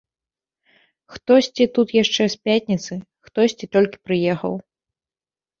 Хтосьці тут яшчэ з пятніцы, хтосьці толькі прыехаў.